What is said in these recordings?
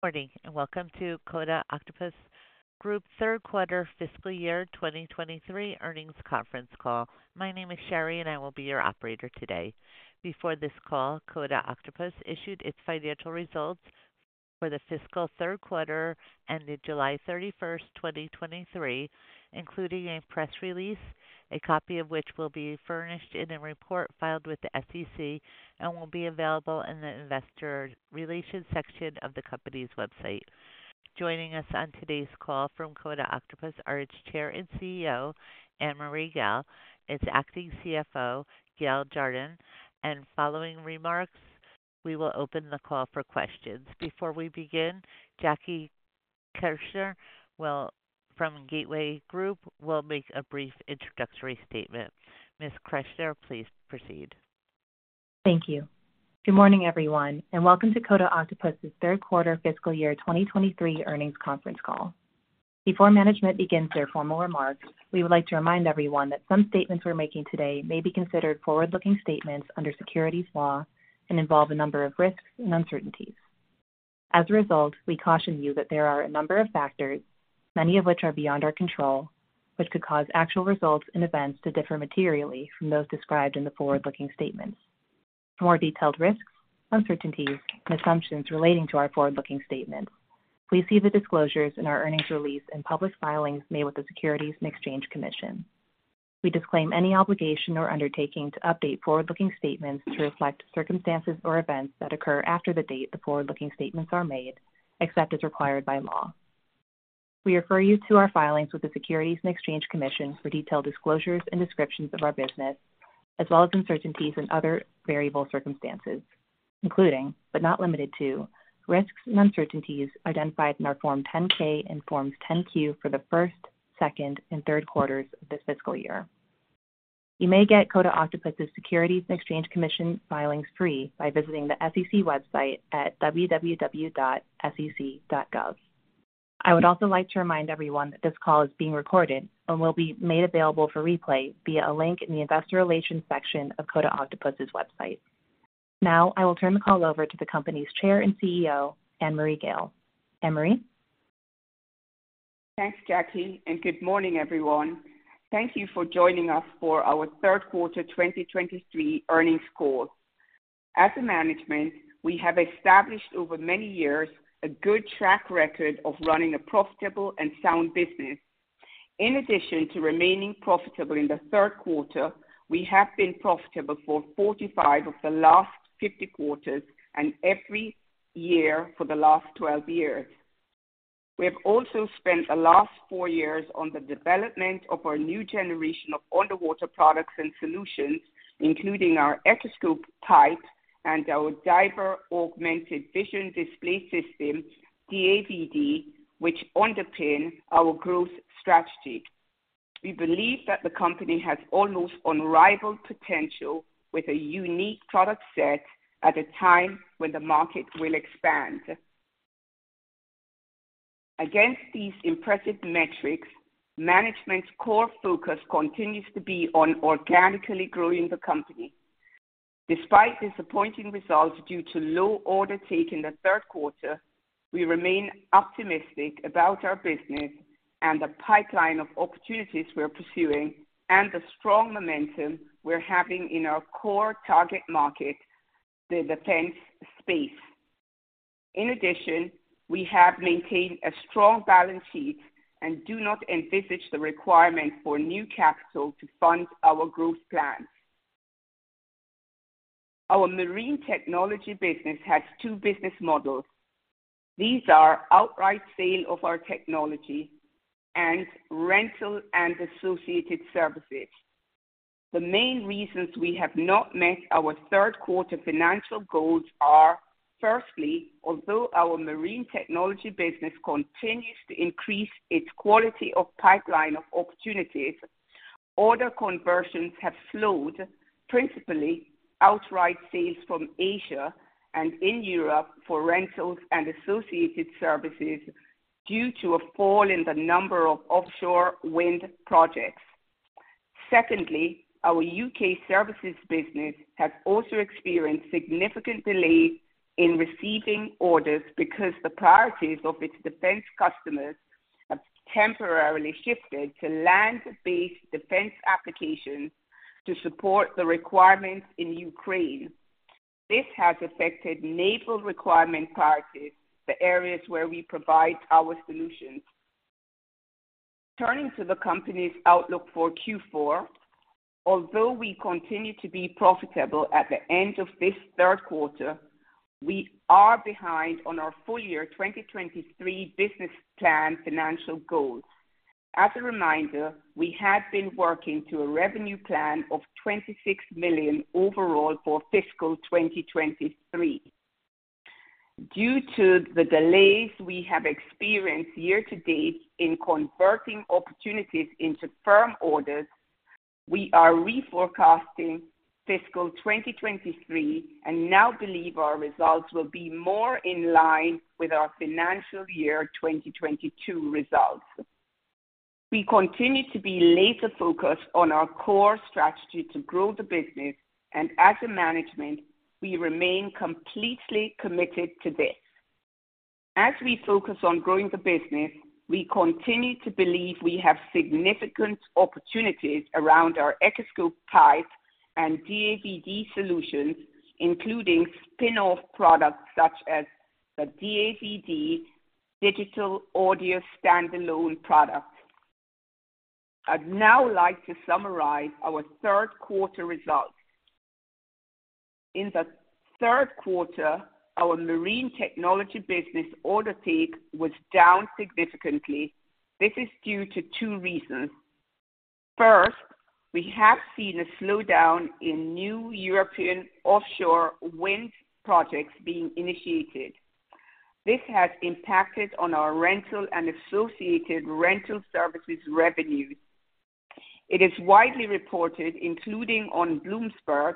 Good morning, and welcome to Coda Octopus Group third quarter fiscal year 2023 earnings conference call. My name is Sherry, and I will be your operator today. Before this call, Coda Octopus issued its financial results for the fiscal third quarter, ending July 31st, 2023, including a press release, a copy of which will be furnished in a report filed with the SEC and will be available in the investor relations section of the company's website. Joining us on today's call from Coda Octopus are its Chair and CEO, Annmarie Gayle, its Acting CFO, Gayle Jardine, and following remarks, we will open the call for questions. Before we begin, Jackie Keshner from Gateway Group will make a brief introductory statement. Ms. Keshner, please proceed. Thank you. Good morning, everyone, and welcome to Coda Octopus's third quarter fiscal year 2023 earnings conference call. Before management begins their formal remarks, we would like to remind everyone that some statements we're making today may be considered forward-looking statements under securities law and involve a number of risks and uncertainties. As a result, we caution you that there are a number of factors, many of which are beyond our control, which could cause actual results and events to differ materially from those described in the forward-looking statements. For more detailed risks, uncertainties, and assumptions relating to our forward-looking statements, please see the disclosures in our earnings release and public filings made with the Securities and Exchange Commission. We disclaim any obligation or undertaking to update forward-looking statements to reflect circumstances or events that occur after the date the forward-looking statements are made, except as required by law. We refer you to our filings with the Securities and Exchange Commission for detailed disclosures and descriptions of our business, as well as uncertainties and other variable circumstances, including, but not limited to, risks and uncertainties identified in our Form 10-K and Forms 10-Q for the first, second, and third quarters of this fiscal year. You may get Coda Octopus's Securities and Exchange Commission filings free by visiting the SEC website at www.sec.gov. I would also like to remind everyone that this call is being recorded and will be made available for replay via a link in the investor relations section of Coda Octopus's website. Now, I will turn the call over to the company's Chair and CEO, Annmarie Gayle. Annmarie? Thanks, Jackie, and good morning, everyone. Thank you for joining us for our third quarter 2023 earnings call. As a management, we have established over many years a good track record of running a profitable and sound business. In addition to remaining profitable in the third quarter, we have been profitable for 45 of the last 50 quarters and every year for the last 12 years. We have also spent the last four years on the development of our new generation of underwater products and solutions, including our Echoscope PIPE and our Diver Augmented Vision Display system, DAVD, which underpin our growth strategy. We believe that the company has almost unrivaled potential with a unique product set at a time when the market will expand. Against these impressive metrics, management's core focus continues to be on organically growing the company. Despite disappointing results due to low order take in the third quarter, we remain optimistic about our business and the pipeline of opportunities we're pursuing and the strong momentum we're having in our core target market, the defense space. In addition, we have maintained a strong balance sheet and do not envisage the requirement for new capital to fund our growth plans. Our Marine Technology business has two business models. These are outright sale of our technology and rental and associated services. The main reasons we have not met our third quarter financial goals are, firstly, although our Marine Technology business continues to increase its quality of pipeline of opportunities, order conversions have slowed, principally outright sales from Asia and in Europe for rentals and associated services due to a fall in the number of offshore wind projects. Secondly, our U.K. services business has also experienced significant delays in receiving orders because the priorities of its defense customers have temporarily shifted to land-based defense applications to support the requirements in Ukraine. This has affected naval requirement priorities, the areas where we provide our solutions. Turning to the company's outlook for Q4, although we continue to be profitable at the end of this third quarter, we are behind on our full year 2023 business plan financial goals. As a reminder, we had been working to a revenue plan of $26 million overall for fiscal 2023. Due to the delays we have experienced year to date in converting opportunities into firm orders, we are reforecasting fiscal 2023 and now believe our results will be more in line with our financial year 2022 results. We continue to be laser-focused on our core strategy to grow the business, and as a management, we remain completely committed to this. As we focus on growing the business, we continue to believe we have significant opportunities around our Echoscope PIPE and DAVD solutions, including spin-off products such as the DAVD Digital Audio standalone product. I'd now like to summarize our third quarter results. In the third quarter, our Marine Technology business order take was down significantly. This is due to two reasons. First, we have seen a slowdown in new European offshore wind projects being initiated. This has impacted on our rental and associated rental services revenues. It is widely reported, including on Bloomberg,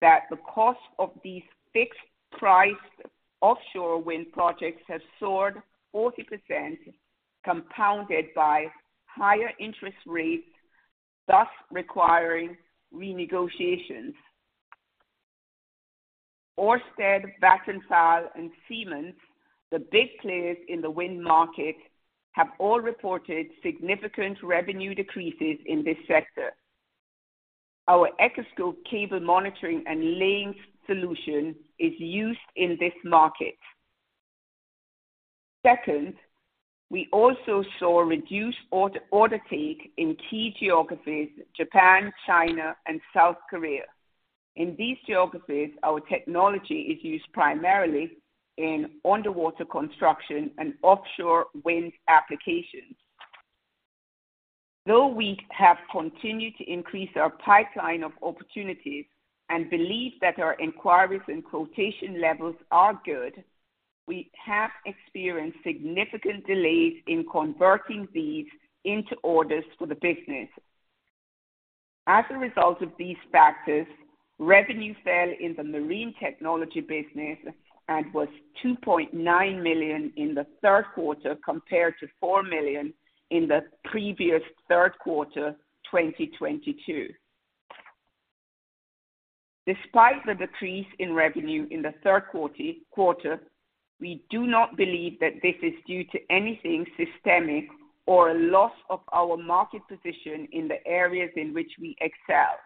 that the cost of these fixed-price offshore wind projects has soared 40%, compounded by higher interest rates, thus requiring renegotiations. Ørsted, Vattenfall, and Siemens, the big players in the wind market, have all reported significant revenue decreases in this sector. Our Echoscope cable monitoring and laying solution is used in this market. Second, we also saw reduced order intake in key geographies Japan, China, and South Korea. In these geographies, our technology is used primarily in underwater construction and offshore wind applications. Though we have continued to increase our pipeline of opportunities and believe that our inquiries and quotation levels are good, we have experienced significant delays in converting these into orders for the business. As a result of these factors, revenue fell in the Marine Technology business and was $2.9 million in the third quarter, compared to $4 million in the previous third quarter, 2022. Despite the decrease in revenue in the third quarter, we do not believe that this is due to anything systemic or a loss of our market position in the areas in which we excel.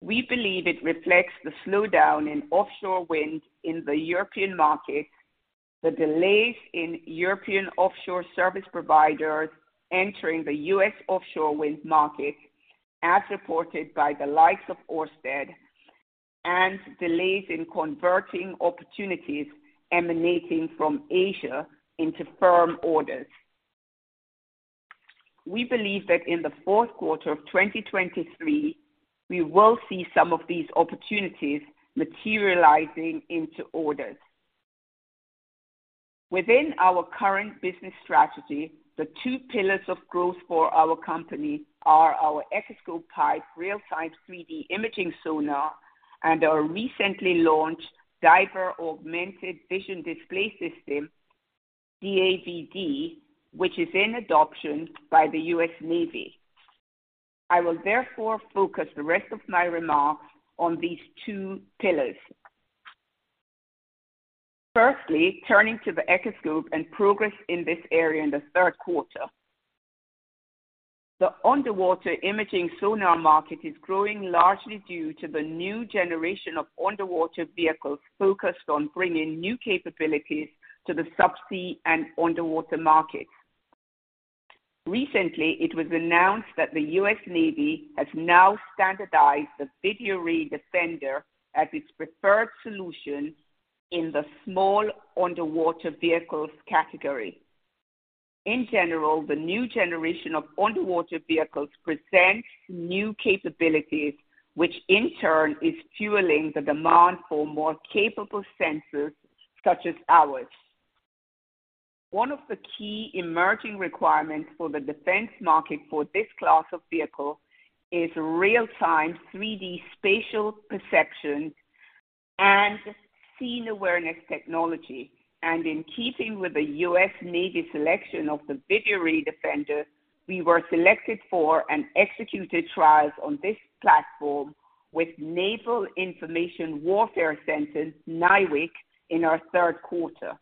We believe it reflects the slowdown in offshore wind in the European market, the delays in European offshore service providers entering the U.S. offshore wind market, as reported by the likes of Ørsted, and delays in converting opportunities emanating from Asia into firm orders. We believe that in the fourth quarter of 2023, we will see some of these opportunities materializing into orders. Within our current business strategy, the two pillars of growth for our company are our Echoscope PIPE real-time 3D imaging sonar and our recently launched Diver Augmented Vision Display system, DAVD, which is in adoption by the U.S. Navy. I will therefore focus the rest of my remarks on these two pillars. Firstly, turning to the Echoscope and progress in this area in the third quarter. The underwater imaging sonar market is growing largely due to the new generation of underwater vehicles focused on bringing new capabilities to the subsea and underwater markets. Recently, it was announced that the U.S. Navy has now standardized the Videoray Defender as its preferred solution in the small underwater vehicles category. In general, the new generation of underwater vehicles presents new capabilities, which in turn is fueling the demand for more capable sensors, such as ours. One of the key emerging requirements for the defense market for this class of vehicle is real-time 3D spatial perception and scene awareness technology, and in keeping with the U.S. Navy selection of the Videoray Defender, we were selected for and executed trials on this platform with Naval Information Warfare Center, NIWC, in our third quarter.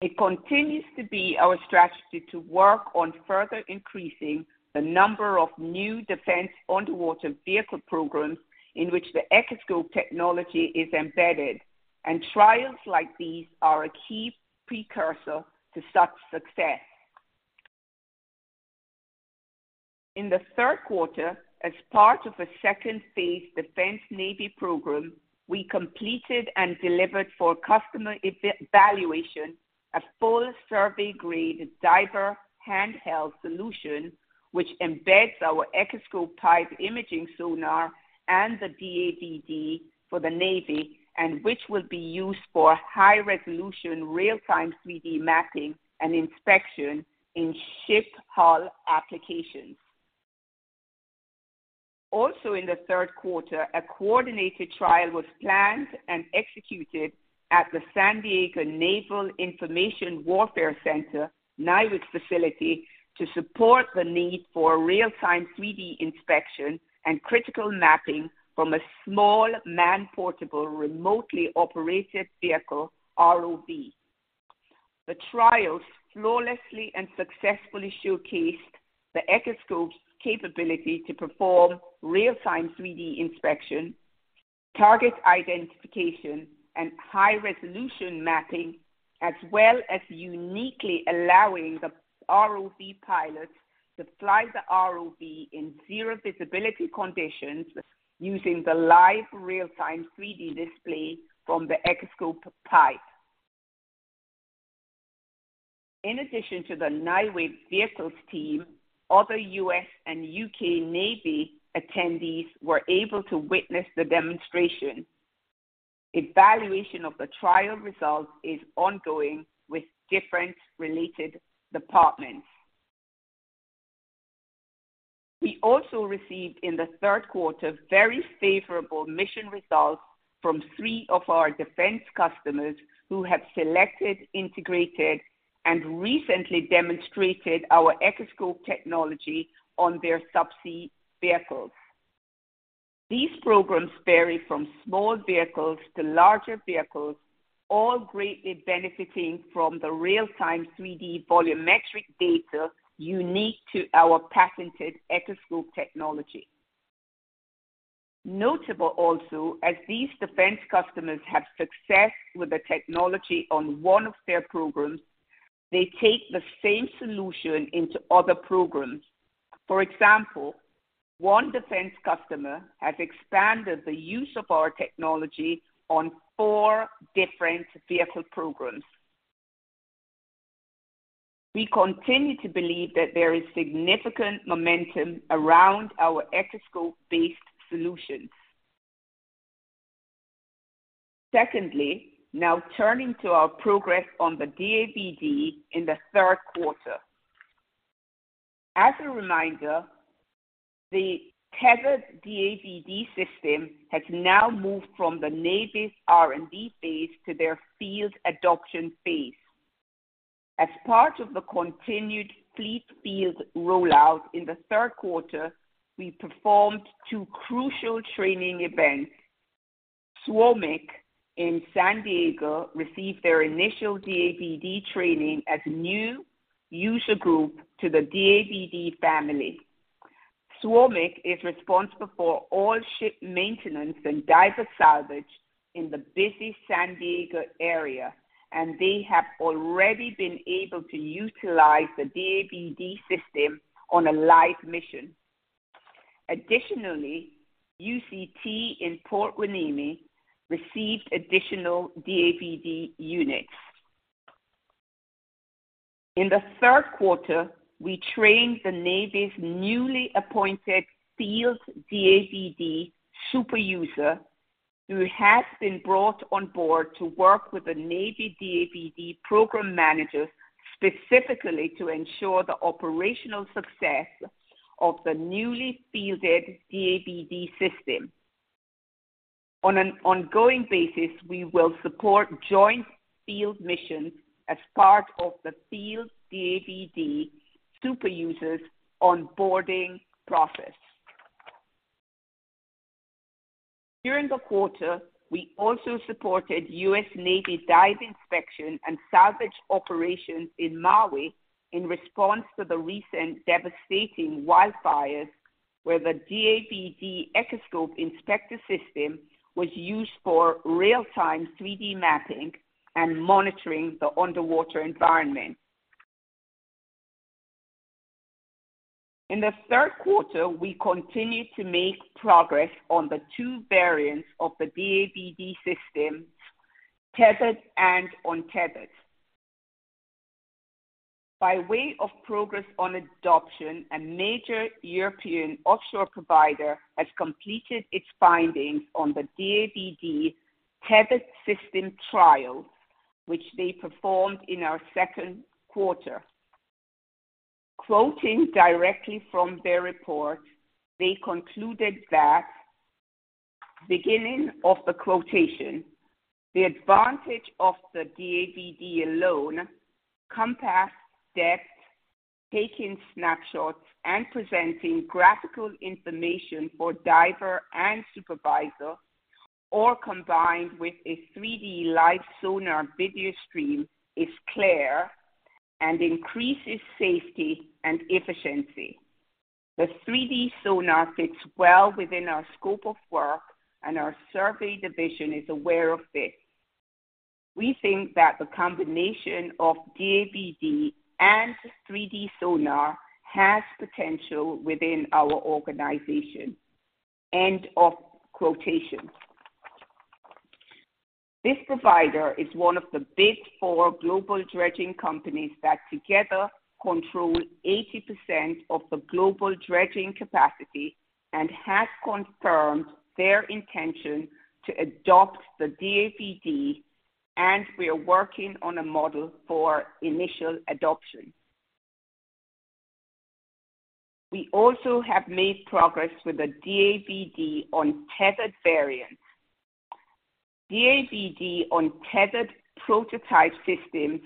It continues to be our strategy to work on further increasing the number of new defense underwater vehicle programs in which the Echoscope technology is embedded, and trials like these are a key precursor to such success. In the third quarter, as part of a second-phase Defense Navy program, we completed and delivered for customer evaluation, a full survey-grade diver handheld solution, which embeds our Echoscope PIPE imaging sonar and the DAVD for the Navy, and which will be used for high-resolution real-time 3D mapping and inspection in ship hull applications. Also in the third quarter, a coordinated trial was planned and executed at the San Diego Naval Information Warfare Center, NIWC facility, to support the need for real-time 3D inspection and critical mapping from a small, man-portable, remotely operated vehicle, ROV. The trial flawlessly and successfully showcased the Echoscope's capability to perform real-time 3D inspection, target identification, and high-resolution mapping, as well as uniquely allowing the ROV pilot to fly the ROV in zero visibility conditions using the live real-time 3D display from the Echoscope PIPE. In addition to the NIWC vehicles team, other U.S. and U.K. Navy attendees were able to witness the demonstration. Evaluation of the trial results is ongoing with different related departments. We also received, in the third quarter, very favorable mission results from three of our defense customers who have selected, integrated, and recently demonstrated our Echoscope technology on their subsea vehicles. These programs vary from small vehicles to larger vehicles, all greatly benefiting from the real-time 3D volumetric data unique to our patented Echoscope technology. Notable also, as these defense customers have success with the technology on one of their programs, they take the same solution into other programs. For example, one defense customer has expanded the use of our technology on four different vehicle programs. We continue to believe that there is significant momentum around our Echoscope-based solutions. Secondly, now turning to our progress on the DAVD in the third quarter. As a reminder, the Tethered DAVD system has now moved from the Navy's R&D phase to their field adoption phase. As part of the continued fleet field rollout in the third quarter, we performed two crucial training events. SWRMC in San Diego received their initial DAVD training as a new user group to the DAVD family. SWRMC is responsible for all ship maintenance and diver salvage in the busy San Diego area, and they have already been able to utilize the DAVD system on a live mission. Additionally, UCT in Port Hueneme received additional DAVD units. In the third quarter, we trained the Navy's newly appointed field DAVD super user, who has been brought on board to work with the Navy DAVD Program Manager, specifically to ensure the operational success of the newly fielded DAVD system. On an ongoing basis, we will support joint field missions as part of the field DAVD super users onboarding process. During the quarter, we also supported U.S. Navy dive inspection and salvage operations in Maui in response to the recent devastating wildfires, where the DAVD Echoscope Inspector System was used for real-time 3D mapping and monitoring the underwater environment. In the third quarter, we continued to make progress on the two variants of the DAVD system, tethered and untethered. By way of progress on adoption, a major European offshore provider has completed its findings on the DAVD tethered system trial, which they performed in our second quarter. Quoting directly from their report, they concluded that, beginning of the quotation, "The advantage of the DAVD alone, compact depth, taking snapshots, and presenting graphical information for diver and supervisor, all combined with a 3D live sonar video stream, is clear and increases safety and efficiency. The 3D sonar fits well within our scope of work, and our survey division is aware of this. We think that the combination of DAVD and 3D sonar has potential within our organization." End of quotation. This provider is one of the big four global dredging companies that together control 80% of the global dredging capacity and has confirmed their intention to adopt the DAVD, and we are working on a model for initial adoption. We also have made progress with the DAVD on tethered variants. DAVD on tethered prototype systems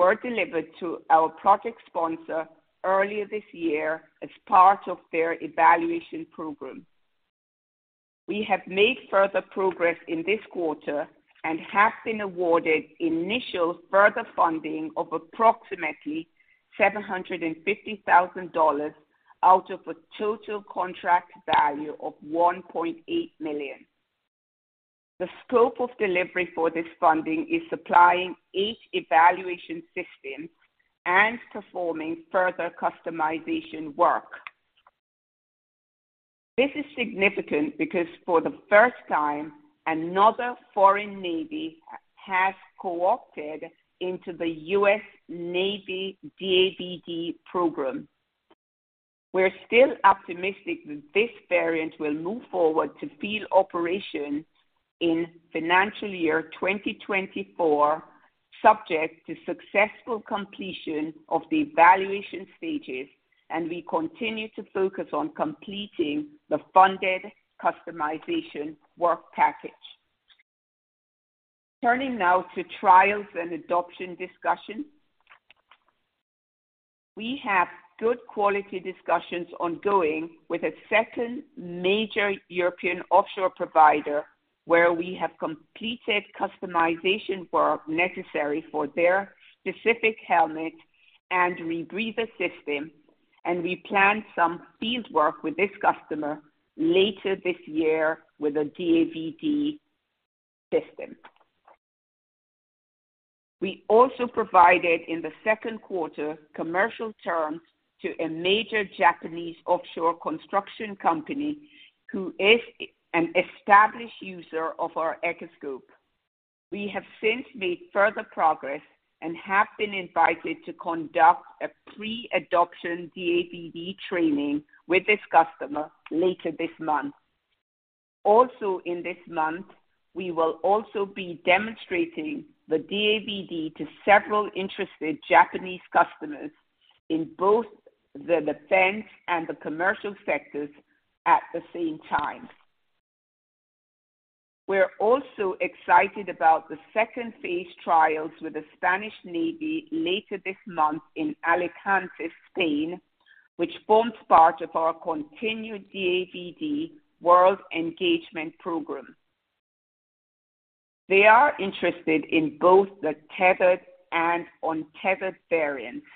were delivered to our project sponsor earlier this year as part of their evaluation program. We have made further progress in this quarter and have been awarded initial further funding of approximately $750,000 out of a total contract value of $1.8 million. The scope of delivery for this funding is supplying each evaluation system and performing further customization work. This is significant because for the first time, another foreign navy has co-opted into the U.S. Navy DAVD program. We're still optimistic that this variant will move forward to field operation in financial year 2024, subject to successful completion of the evaluation stages, and we continue to focus on completing the funded customization work package. Turning now to trials and adoption discussion. We have good quality discussions ongoing with a second major European offshore provider, where we have completed customization work necessary for their specific helmet and rebreather system, and we plan some field work with this customer later this year with a DAVD system. We also provided, in the second quarter, commercial terms to a major Japanese offshore construction company, who is an established user of our Echoscope. We have since made further progress and have been invited to conduct a pre-adoption DAVD training with this customer later this month. Also, in this month, we will also be demonstrating the DAVD to several interested Japanese customers in both the defense and the commercial sectors at the same time. We're also excited about the second phase trials with the Spanish Navy later this month in Alicante, Spain, which forms part of our continued DAVD World Engagement Program. They are interested in both the tethered and untethered variants.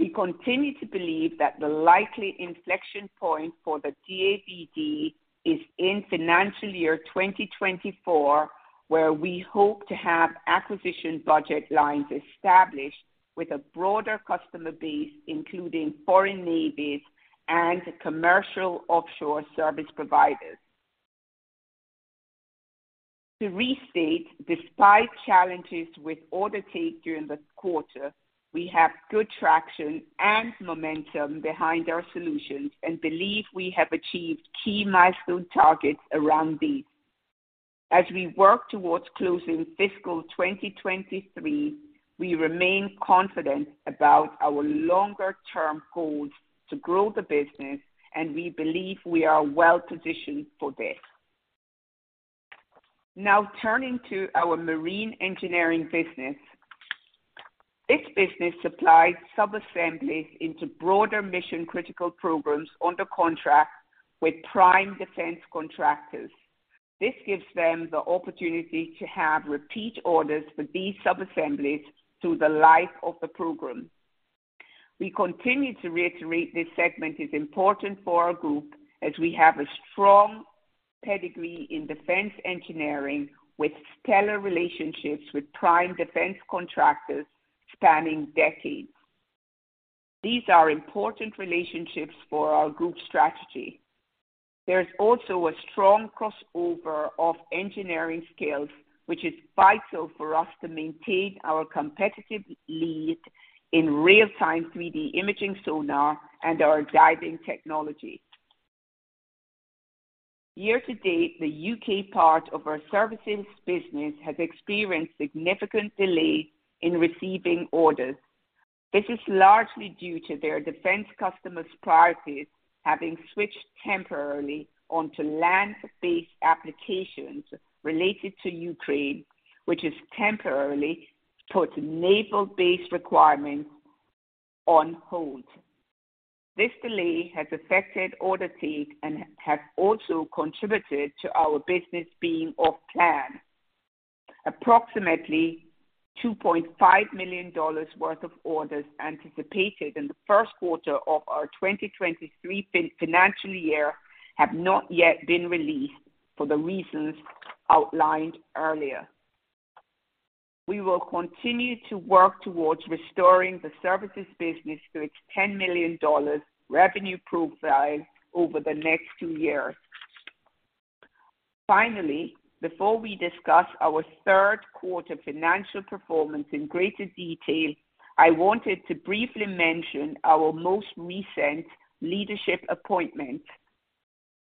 We continue to believe that the likely inflection point for the DAVD is in financial year 2024, where we hope to have acquisition budget lines established with a broader customer base, including foreign navies and commercial offshore service providers. To restate, despite challenges with order take during the quarter, we have good traction and momentum behind our solutions and believe we have achieved key milestone targets around these. As we work towards closing fiscal 2023, we remain confident about our longer-term goals to grow the business, and we believe we are well positioned for this. Now, turning to our Marine Engineering Business. This business supplies subassemblies into broader mission-critical programs under contract with prime defense contractors. This gives them the opportunity to have repeat orders for these subassemblies through the life of the program. We continue to reiterate this segment is important for our group as we have a strong pedigree in defense engineering, with stellar relationships with prime defense contractors spanning decades. These are important relationships for our group strategy. There is also a strong crossover of engineering skills, which is vital for us to maintain our competitive lead in real-time 3D imaging sonar and our diving technology. Year-to-date, the U.K. part of our services business has experienced significant delay in receiving orders. This is largely due to their defense customers' priorities having switched temporarily onto land-based applications related to Ukraine, which has temporarily put naval base requirements on hold. This delay has affected order take and has also contributed to our business being off plan. Approximately $2.5 million worth of orders anticipated in the first quarter of our 2023 financial year have not yet been released for the reasons outlined earlier. We will continue to work towards restoring the services business to its $10 million revenue profile over the next two years. Finally, before we discuss our third quarter financial performance in greater detail, I wanted to briefly mention our most recent leadership appointment.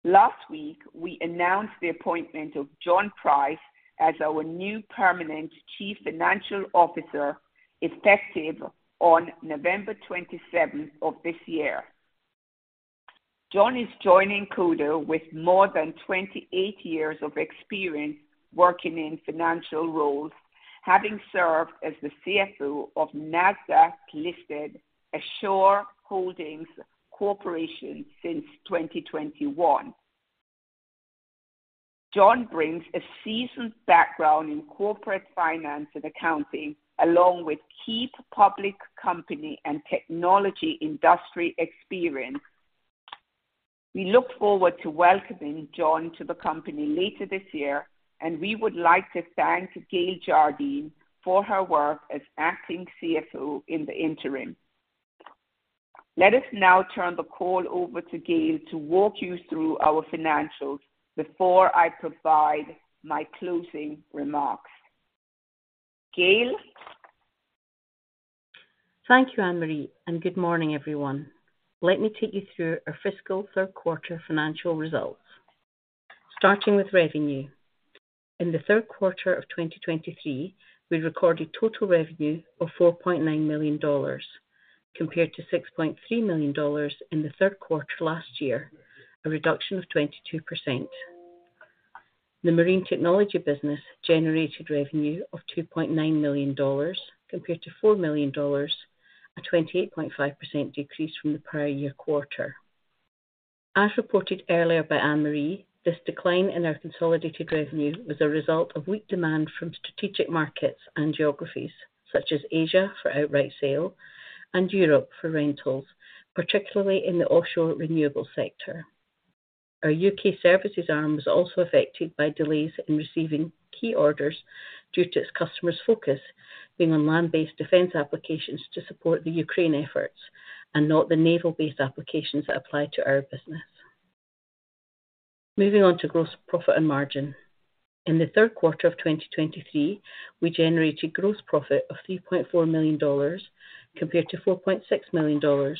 Last week, we announced the appointment of John Price as our new permanent Chief Financial Officer, effective on November 27th of this year. John is joining Coda with more than 28 years of experience working in financial roles, having served as the CFO of NASDAQ-listed Assure Holdings Corp since 2021. John brings a seasoned background in corporate finance and accounting, along with key public company and technology industry experience. We look forward to welcoming John to the company later this year, and we would like to thank Gayle Jardine for her work as acting CFO in the interim. Let us now turn the call over to Gayle to walk you through our financials before I provide my closing remarks. Gayle? Thank you, Annmarie, and good morning, everyone. Let me take you through our fiscal third quarter financial results. Starting with revenue. In the third quarter of 2023, we recorded total revenue of $4.9 million, compared to $6.3 million in the third quarter last year, a reduction of 22%. The Marine Technology business generated revenue of $2.9 million compared to $4 million, a 28.5% decrease from the prior year quarter. As reported earlier by Annmarie, this decline in our consolidated revenue was a result of weak demand from strategic markets and geographies such as Asia for outright sale and Europe for rentals, particularly in the offshore renewable sector. Our U.K. Services arm was also affected by delays in receiving key orders due to its customers' focus being on land-based defense applications to support the Ukraine efforts and not the naval-based applications that apply to our business. Moving on to gross profit and margin. In the third quarter of 2023, we generated gross profit of $3.4 million, compared to $4.6 million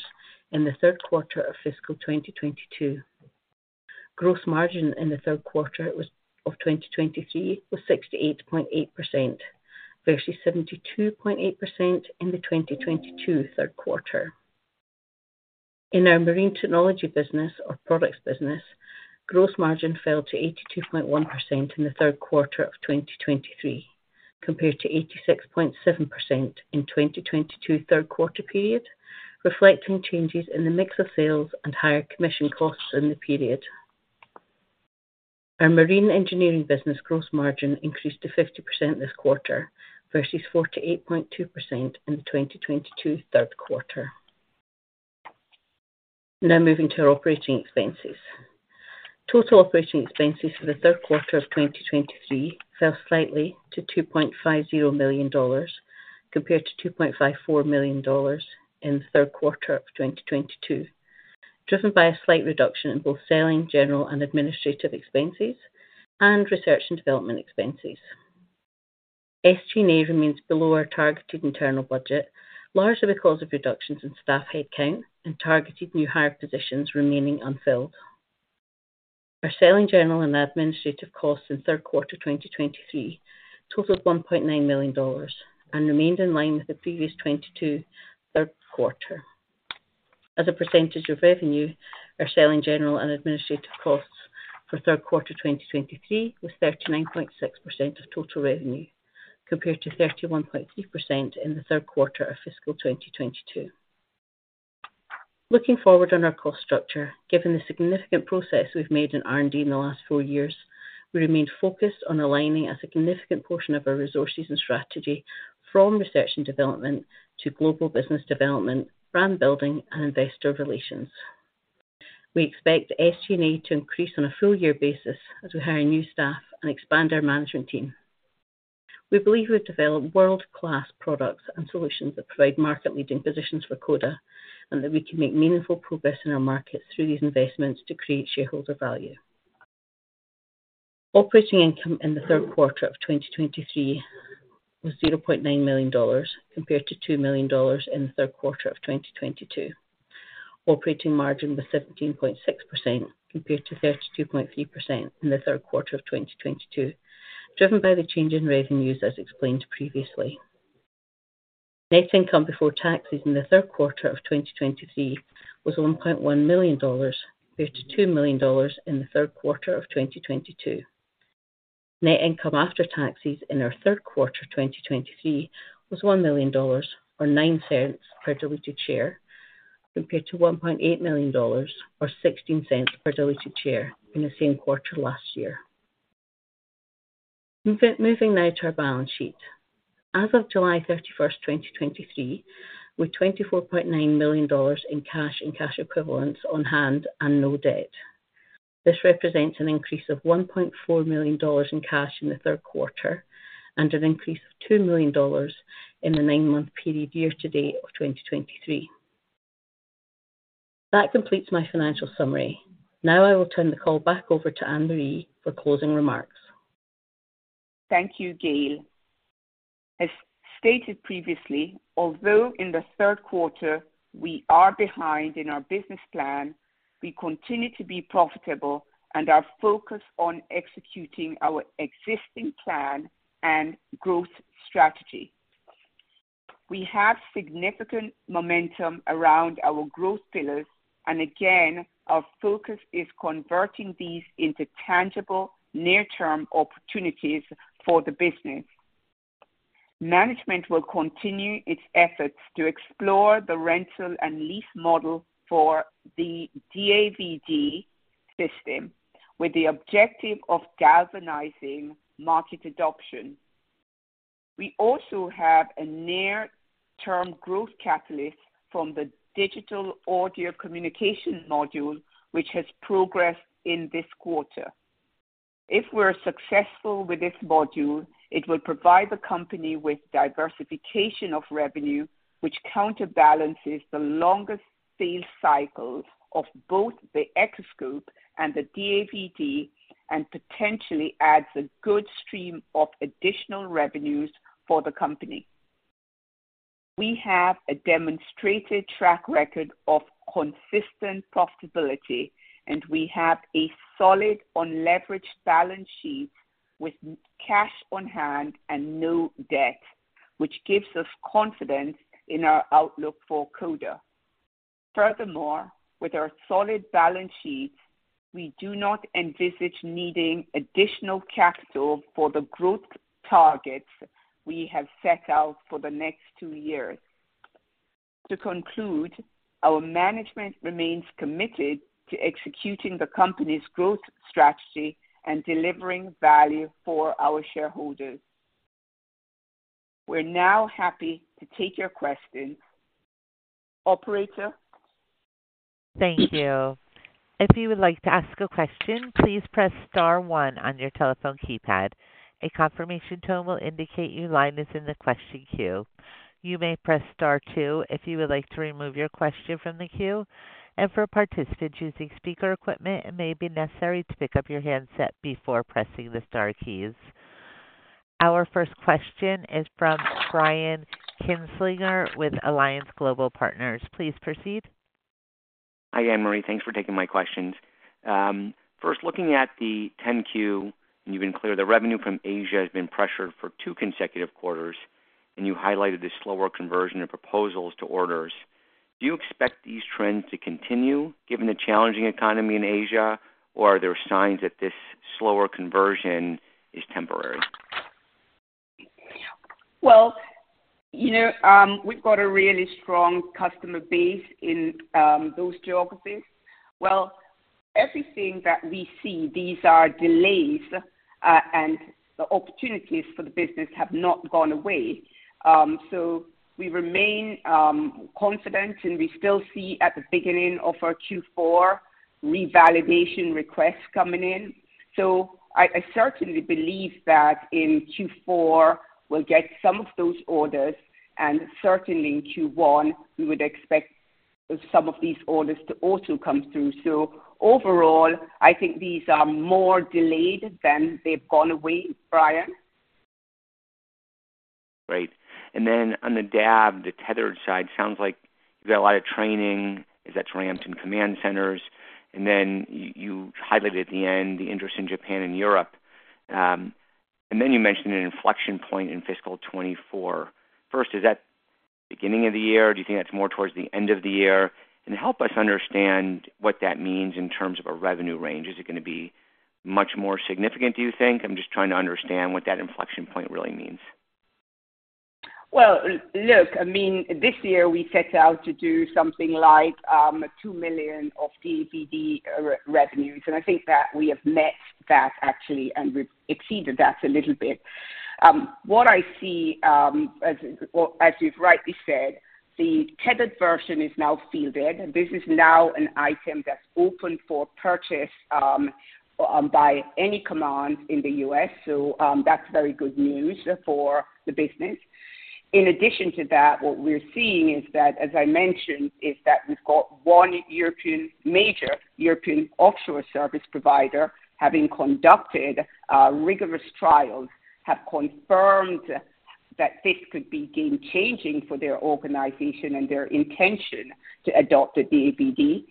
in the third quarter of fiscal 2022. Gross margin in the third quarter of 2023 was 68.8%, versus 72.8% in the 2022 third quarter. In our Marine Technology business or products business, gross margin fell to 82.1% in the third quarter of 2023, compared to 86.7% in 2022 third quarter period, reflecting changes in the mix of sales and higher commission costs in the period. Our Marine Engineering business gross margin increased to 50% this quarter, versus 48.2% in the 2022 third quarter. Now moving to our operating expenses. Total operating expenses for the third quarter of 2023 fell slightly to $2.50 million, compared to $2.54 million in the third quarter of 2022, driven by a slight reduction in both selling, general, and administrative expenses and research and development expenses. SG&A remains below our targeted internal budget, largely because of reductions in staff headcount and targeted new hire positions remaining unfilled. Our selling, general, and administrative costs in third quarter 2023 totaled $1.9 million and remained in line with the previous 2022 third quarter. As a percentage of revenue, our selling, general, and administrative costs for third quarter 2023 was 39.6% of total revenue, compared to 31.3% in the third quarter of fiscal 2022. Looking forward on our cost structure, given the significant progress we've made in R&D in the last four years, we remain focused on aligning a significant portion of our resources and strategy from research and development to global business development, brand building, and investor relations. We expect SG&A to increase on a full year basis as we hire new staff and expand our management team. We believe we've developed world-class products and solutions that provide market-leading positions for Coda, and that we can make meaningful progress in our markets through these investments to create shareholder value. Operating income in the third quarter of 2023 was $0.9 million, compared to $2 million in the third quarter of 2022. Operating margin was 17.6%, compared to 32.3% in the third quarter of 2022, driven by the change in revenues, as explained previously. Net income before taxes in the third quarter of 2023 was $1.1 million, compared to $2 million in the third quarter of 2022. Net income after taxes in our third quarter 2023 was $1 million, or $0.09 per diluted share, compared to $1.8 million, or $0.16 per diluted share in the same quarter last year. Moving now to our balance sheet. As of July 31st, 2023, with $24.9 million in cash and cash equivalents on hand and no debt. This represents an increase of $1.4 million in cash in the third quarter and an increase of $2 million in the nine-month period year to date of 2023. That completes my financial summary. Now, I will turn the call back over to Annmarie for closing remarks. Thank you, Gayle. As stated previously, although in the third quarter we are behind in our business plan, we continue to be profitable and are focused on executing our existing plan and growth strategy. We have significant momentum around our growth pillars, and again, our focus is converting these into tangible, near-term opportunities for the business. Management will continue its efforts to explore the rental and lease model for the DAVD system, with the objective of galvanizing market adoption. We also have a near-term growth catalyst from the Digital Audio Communication Module, which has progressed in this quarter. If we're successful with this module, it will provide the company with diversification of revenue, which counterbalances the longer sales cycles of both the Echoscope and the DAVD, and potentially adds a good stream of additional revenues for the company. We have a demonstrated track record of consistent profitability, and we have a solid unleveraged balance sheet with cash on hand and no debt, which gives us confidence in our outlook for Coda. Furthermore, with our solid balance sheet, we do not envisage needing additional capital for the growth targets we have set out for the next two years. To conclude, our management remains committed to executing the company's growth strategy and delivering value for our shareholders. We're now happy to take your questions. Operator? Thank you. If you would like to ask a question, please press star one on your telephone keypad. A confirmation tone will indicate your line is in the question queue. You may press star two if you would like to remove your question from the queue, and for participants using speaker equipment, it may be necessary to pick up your handset before pressing the star keys. Our first question is from Brian Kinstlinger with Alliance Global Partners. Please proceed. Hi, Annmarie. Thanks for taking my questions. First, looking at the 10-Q, and you've been clear, the revenue from Asia has been pressured for two consecutive quarters, and you highlighted the slower conversion of proposals to orders. Do you expect these trends to continue given the challenging economy in Asia, or are there signs that this slower conversion is temporary? Well, you know, we've got a really strong customer base in, those geographies. Well, everything that we see, these are delays, and the opportunities for the business have not gone away. So we remain, confident, and we still see at the beginning of our Q4 revalidation requests coming in. So I, I certainly believe that in Q4 we'll get some of those orders, and certainly in Q1, we would expect some of these orders to also come through. So overall, I think these are more delayed than they've gone away, Brian. Great. And then on the DAVD, the tethered side, sounds like you've got a lot of training. Is that ramped in command centers? And then you, you highlighted at the end the interest in Japan and Europe. And then you mentioned an inflection point in fiscal 2024. First, is that beginning of the year, do you think that's more towards the end of the year? And help us understand what that means in terms of a revenue range. Is it going to be much more significant, do you think? I'm just trying to understand what that inflection point really means. Well, look, I mean, this year we set out to do something like $2 million of DAVD revenues, and I think that we have met that actually, and we've exceeded that a little bit. What I see, as well as you've rightly said, the tethered version is now fielded. This is now an item that's open for purchase by any command in the U.S. So, that's very good news for the business. In addition to that, what we're seeing is that, as I mentioned, is that we've got one European, major European offshore service provider, having conducted rigorous trials, have confirmed that this could be game-changing for their organization and their intention to adopt a DAVD.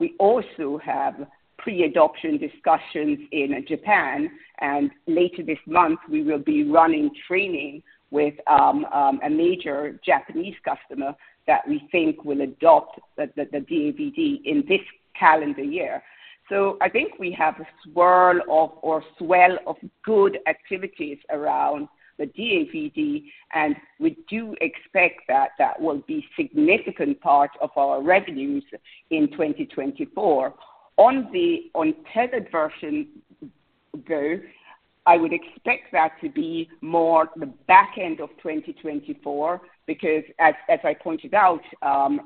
We also have pre-adoption discussions in Japan, and later this month, we will be running training with a major Japanese customer that we think will adopt the DAVD in this calendar year. So I think we have a swirl of, or swell of good activities around the DAVD, and we do expect that that will be significant part of our revenues in 2024. On the untethered version, though, I would expect that to be more the back end of 2024, because as I pointed out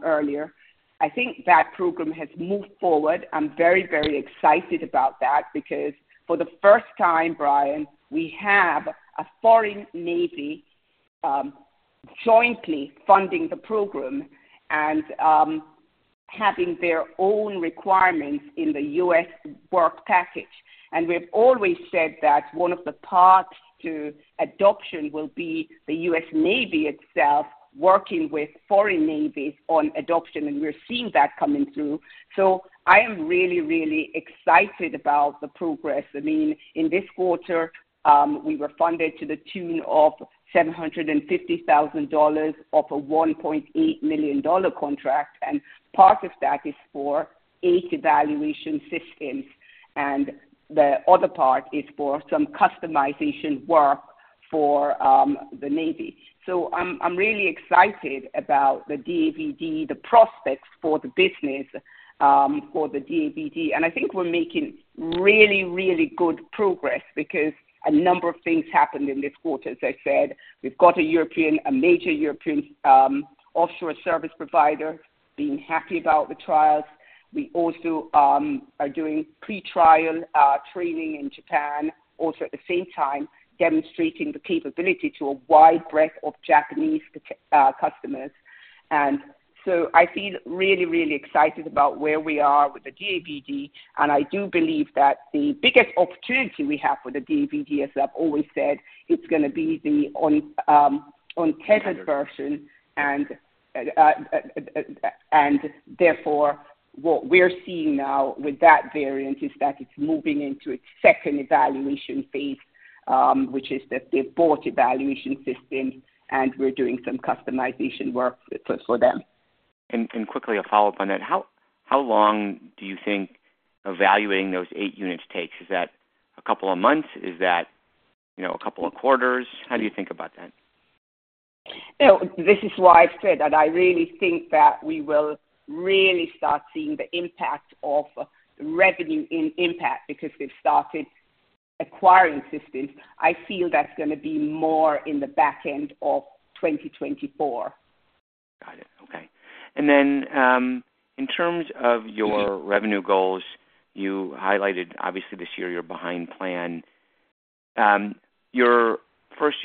earlier, I think that program has moved forward. I'm very, very excited about that, because for the first time, Brian, we have a foreign navy jointly funding the program and having their own requirements in the U.S. work package. We've always said that one of the paths to adoption will be the U.S. Navy itself working with foreign navies on adoption, and we're seeing that coming through. So I am really, really excited about the progress. I mean, in this quarter, we were funded to the tune of $750,000 of a $1.8 million contract, and part of that is for eight evaluation systems, and the other part is for some customization work for, the Navy. So I'm, I'm really excited about the DAVD, the prospects for the business, for the DAVD. And I think we're making really, really good progress because a number of things happened in this quarter. As I said, we've got a European, a major European, offshore service provider, being happy about the trials. We also are doing pre-trial training in Japan. Also, at the same time, demonstrating the capability to a wide breadth of Japanese customers. And so I feel really, really excited about where we are with the DAVD, and I do believe that the biggest opportunity we have with the DAVD, as I've always said, it's gonna be the untethered version. And therefore, what we're seeing now with that variant is that it's moving into its second evaluation phase, which is that they've bought evaluation systems, and we're doing some customization work for them. Quickly, a follow-up on that. How long do you think evaluating those eight units takes? Is that a couple of months? Is that, you know, a couple of quarters? How do you think about that? You know, this is why I've said that I really think that we will really start seeing the impact of the revenue impact, because they've started acquiring systems. I feel that's gonna be more in the back end of 2024. Got it. Okay. And then, in terms of your revenue goals, you highlighted, obviously, this year you're behind plan. First,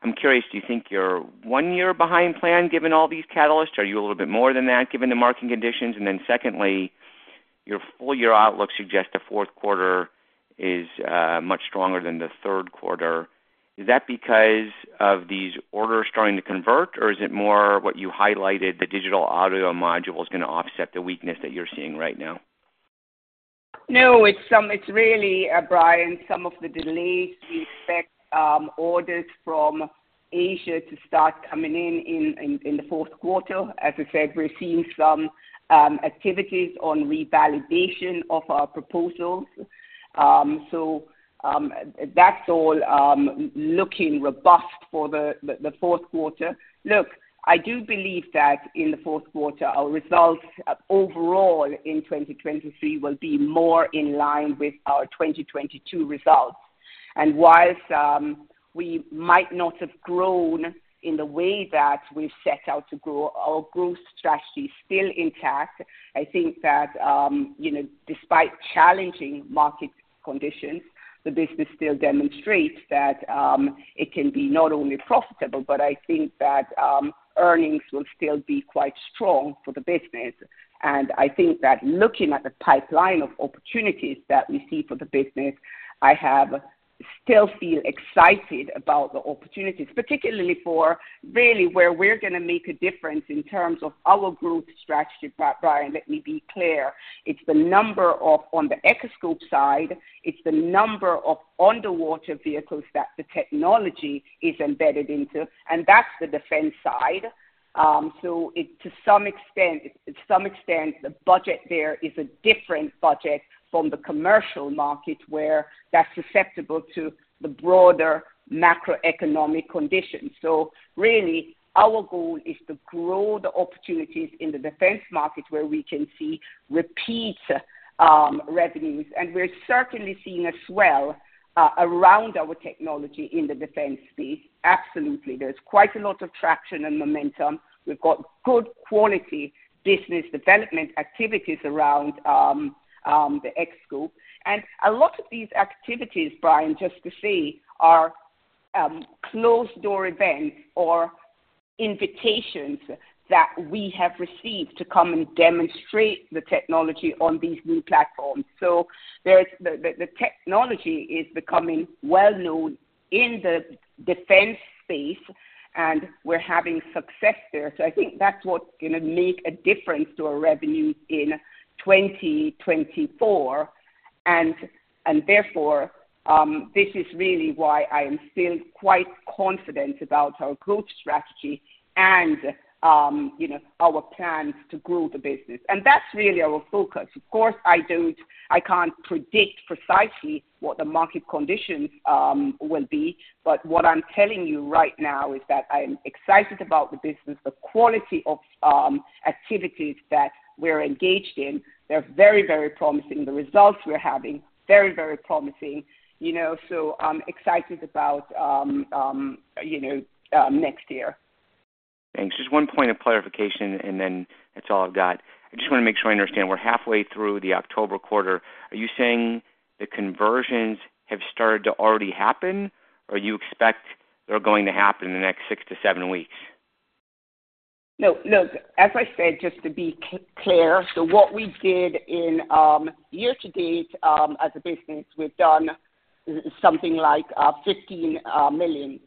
I'm curious, do you think you're one year behind plan, given all these catalysts? Are you a little bit more than that, given the market conditions? And then secondly, your full year outlook suggests the fourth quarter is much stronger than the third quarter. Is that because of these orders starting to convert, or is it more what you highlighted, the digital audio module is gonna offset the weakness that you're seeing right now? No, it's really, Brian, some of the delays. We expect orders from Asia to start coming in in the fourth quarter. As I said, we're seeing some activities on revalidation of our proposals. So, that's all looking robust for the fourth quarter. Look, I do believe that in the fourth quarter, our results overall in 2023 will be more in line with our 2022 results. And whilst we might not have grown in the way that we've set out to grow, our growth strategy is still intact. I think that, you know, despite challenging market conditions, the business still demonstrates that it can be not only profitable, but I think that earnings will still be quite strong for the business. And I think that looking at the pipeline of opportunities that we see for the business, I have still feel excited about the opportunities, particularly for really where we're gonna make a difference in terms of our growth strategy. But Brian, let me be clear, it's the number of, on the Echoscope side, it's the number of underwater vehicles that the technology is embedded into, and that's the defense side. So it to some extent, to some extent, the budget there is a different budget from the commercial market, where that's susceptible to the broader macroeconomic conditions. So really, our goal is to grow the opportunities in the defense market, where we can see repeat revenues, and we're certainly seeing a swell around our technology in the defense space. Absolutely. There's quite a lot of traction and momentum. We've got good quality business development activities around the Echoscope. And a lot of these activities, Brian, just to say, are closed-door events or invitations that we have received to come and demonstrate the technology on these new platforms. So there's the technology is becoming well known in the defense space, and we're having success there. So I think that's what's gonna make a difference to our revenue in 2024. And therefore, this is really why I am still quite confident about our growth strategy and, you know, our plans to grow the business. And that's really our focus. Of course, I don't. I can't predict precisely what the market conditions will be, but what I'm telling you right now is that I'm excited about the business. The quality of activities that we're engaged in, they're very, very promising. The results we're having, very, very promising. You know, so I'm excited about, you know, next year. Thanks. Just one point of clarification, and then that's all I've got. I just wanna make sure I understand. We're halfway through the October quarter. Are you saying the conversions have started to already happen, or you expect they're going to happen in the next six to seven weeks? No, look, as I said, just to be clear, so what we did in year-to-date, as a business, we've done something like $15 million.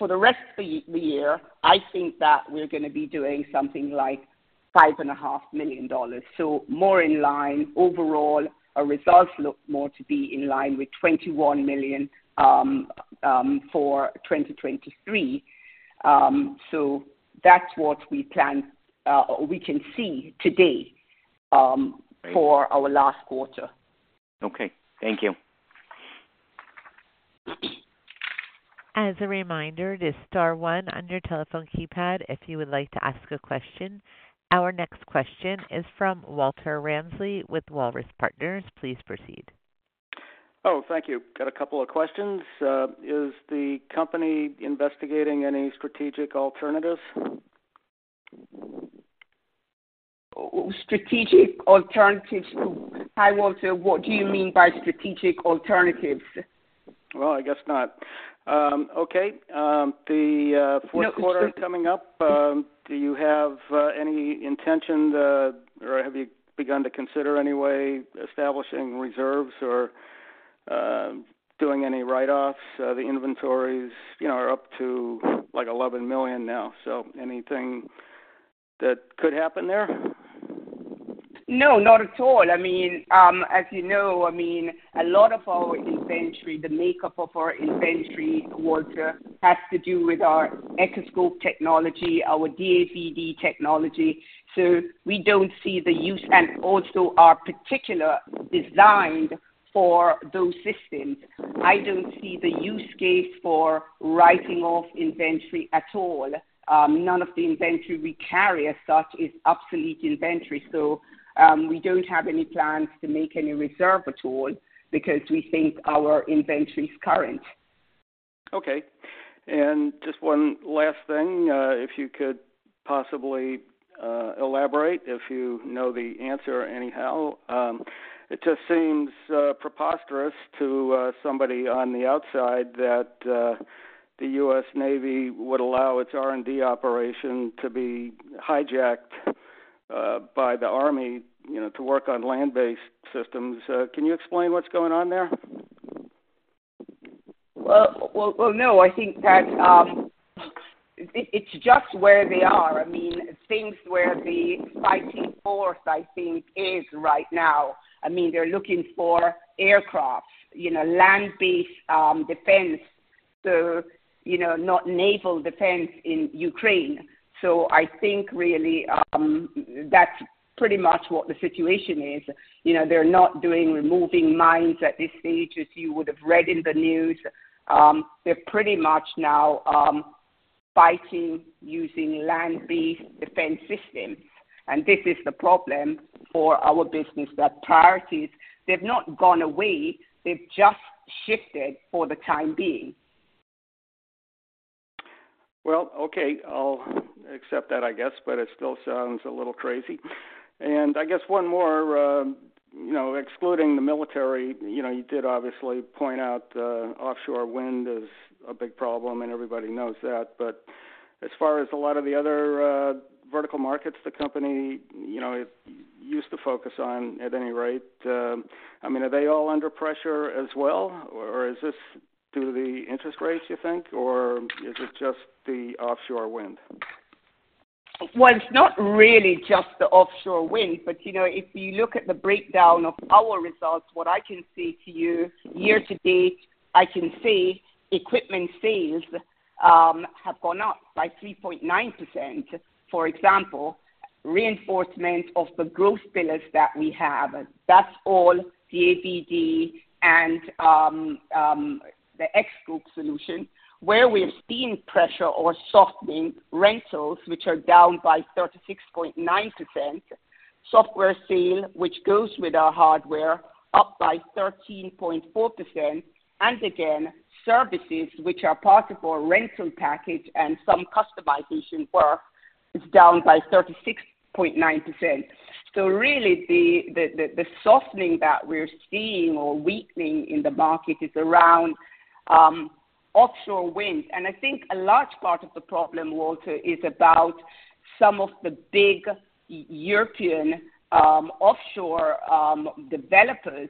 For the rest of the year, I think that we're gonna be doing something like $5.5 million. So more in line, overall, our results look more to be in line with $21 million for 2023. So that's what we plan, we can see today for our last quarter. Okay, thank you. As a reminder, it is star one on your telephone keypad, if you would like to ask a question. Our next question is from Walter Ramsley with Walrus Partners. Please proceed. Oh, thank you. Got a couple of questions. Is the company investigating any strategic alternatives? Strategic alternatives? Hi, Walter, what do you mean by strategic alternatives? Well, I guess not. Okay, the fourth quarter coming up, do you have any intention or have you begun to consider any way establishing reserves or doing any write-offs? The inventories, you know, are up to like $11 million now. So anything that could happen there? No, not at all. I mean, as you know, I mean, a lot of our inventory, the makeup of our inventory, Walter, has to do with our Echoscope technology, our DAVD technology. So we don't see the use, and also are particular designed for those systems. I don't see the use case for writing off inventory at all. None of the inventory we carry as such, is obsolete inventory. So, we don't have any plans to make any reserve at all because we think our inventory is current. Okay. Just one last thing, if you could possibly elaborate, if you know the answer anyhow. It just seems preposterous to somebody on the outside that the U.S. Navy would allow its R&D operation to be hijacked by the Army, you know, to work on land-based systems. Can you explain what's going on there? Well, well, well, no, I think that it's just where they are. I mean, things where the fighting force, I think, is right now. I mean, they're looking for aircraft, you know, land-based defense, so, you know, not naval defense in Ukraine. So I think really, that's pretty much what the situation is. You know, they're not doing removing mines at this stage, as you would have read in the news. They're pretty much now fighting using land-based defense systems. And this is the problem for our business, that priorities, they've not gone away, they've just shifted for the time being. Well, okay, I'll accept that, I guess, but it still sounds a little crazy. And I guess one more, you know, excluding the military, you know, you did obviously point out, offshore wind is a big problem, and everybody knows that. But as far as a lot of the other, vertical markets, the company, you know, it used to focus on, at any rate, I mean, are they all under pressure as well, or is this due to the interest rates, you think, or is it just the offshore wind? Well, it's not really just the offshore wind, but you know, if you look at the breakdown of our results, what I can say to you, year to date, I can see equipment sales have gone up by 3.9%. For example, reinforcement of the growth pillars that we have. That's all DAVD and the Echoscope solution, where we're seeing pressure or softening rentals, which are down by 36.9%. Software sales, which goes with our hardware, up by 13.4%. And again, services, which are part of our rental package and some customization work, is down by 36.9%. So really, the, the, the softening that we're seeing or weakening in the market is around offshore wind. I think a large part of the problem, Walter, is about some of the big European offshore developers.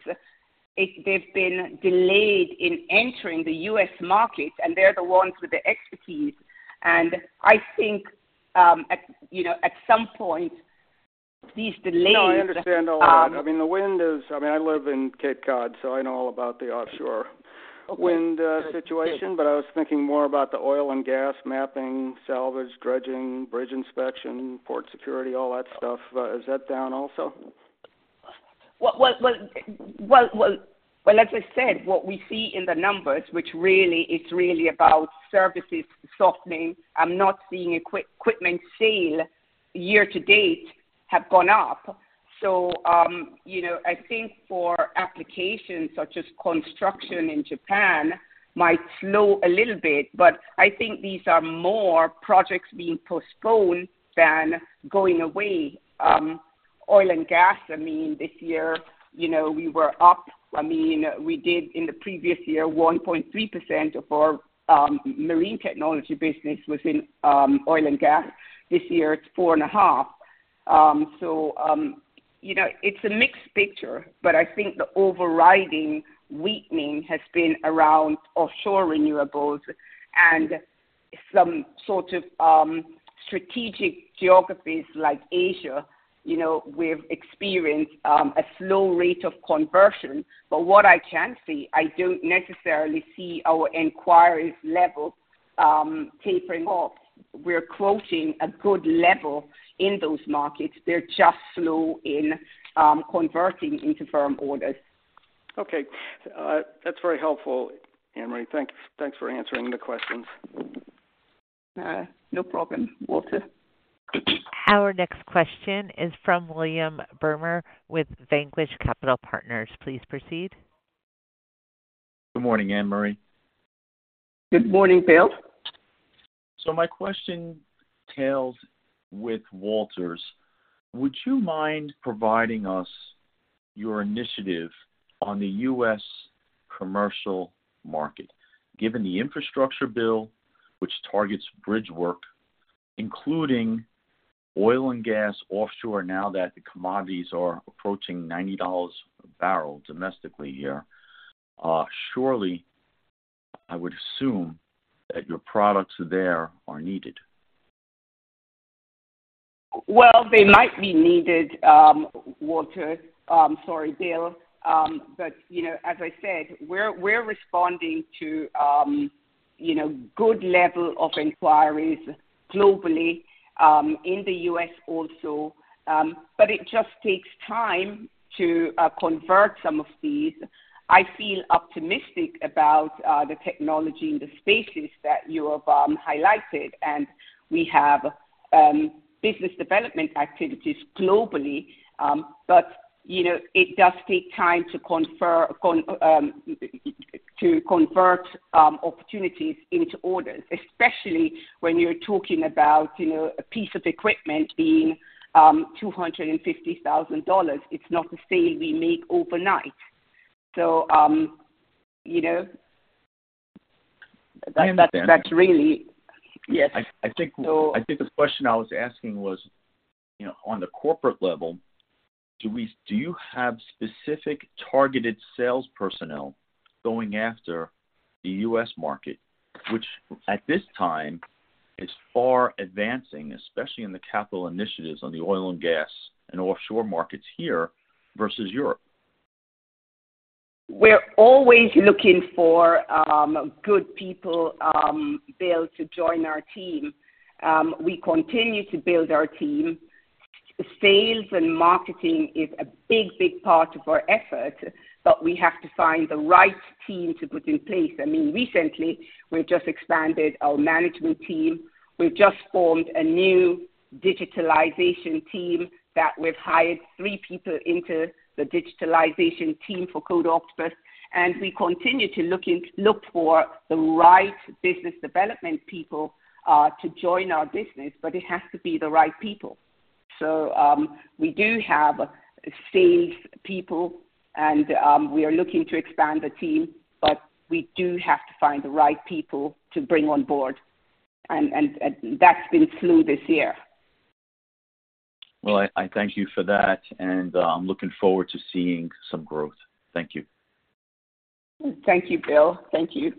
They've been delayed in entering the U.S. market, and they're the ones with the expertise. I think, you know, at some point, these delays- No, I understand all that. I mean, I live in Cape Cod, so I know all about the offshore wind situation, but I was thinking more about the oil and gas mapping, salvage, dredging, bridge inspection, port security, all that stuff. Is that down also? Okay. Well, well, well, well, well, well, as I said, what we see in the numbers, which really is really about services softening, I'm not seeing equipment sales year to date have gone up. So, you know, I think for applications such as construction in Japan might slow a little bit, but I think these are more projects being postponed than going away. Oil and gas, I mean, this year, you know, we were up. I mean, we did in the previous year, 1.3% of our Marine Technology business was in oil and gas. This year, it's 4.5%. So, you know, it's a mixed picture, but I think the overriding weakening has been around offshore renewables and some sort of strategic geographies like Asia. You know, we've experienced a slow rate of conversion, but what I can see, I don't necessarily see our inquiries level tapering off. We're quoting a good level in those markets. They're just slow in converting into firm orders. Okay. That's very helpful, Annmarie. Thanks for answering the questions. No problem, Walter. Our next question is from William Bremer with Vanquish Capital Partners. Please proceed. Good morning, Annmarie. Good morning, Bill. So my question tails with Walter's. Would you mind providing us your initiative on the U.S. commercial market? Given the infrastructure bill, which targets bridge work, including oil and gas offshore, now that the commodities are approaching $90 a barrel domestically here, surely, I would assume that your products there are needed. Well, they might be needed, Walter. Sorry, Bill. But, you know, as I said, we're responding to, you know, good level of inquiries globally, in the US also. But it just takes time to convert some of these. I feel optimistic about the technology and the spaces that you have highlighted, and we have business development activities globally. But, you know, it does take time to convert opportunities into orders, especially when you're talking about, you know, a piece of equipment being $250,000. It's not a sale we make overnight. So, you know, that's, that's really, yes. I understand. I think, I think the question I was asking was, you know, on the corporate level, do you have specific targeted sales personnel going after the U.S. market, which at this time is far advancing, especially in the capital initiatives on the oil and gas and offshore markets here versus Europe? We're always looking for good people, Bill, to join our team. We continue to build our team. Sales and marketing is a big, big part of our effort, but we have to find the right team to put in place. I mean, recently, we've just expanded our management team. We've just formed a new digitalization team that we've hired three people into the digitalization team for Coda Octopus, and we continue to look in, look for the right business development people to join our business, but it has to be the right people. So, we do have sales people, and, we are looking to expand the team, but we do have to find the right people to bring on board, and that's been slow this year. Well, I thank you for that, and I'm looking forward to seeing some growth. Thank you. Thank you, Bill. Thank you.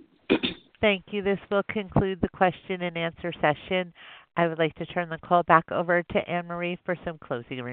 Thank you. This will conclude the question and answer session. I would like to turn the call back over to Annmarie for some closing remarks.